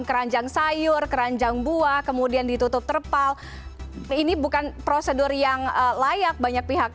keranjang sayur keranjang buah kemudian ditutup terpal ini bukan prosedur yang layak banyak pihak